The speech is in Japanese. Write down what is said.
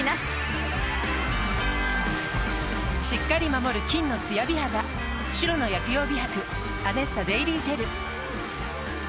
しっかり守る金のつや美肌白の薬用美白「ＡＮＥＳＳＡ」デイリージェル